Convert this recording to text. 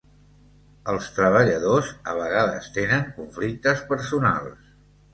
Els treballadors a vegades tenen conflictes personals.